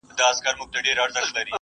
د خپلي ميرمني بدن لمسول څه حکم لري؟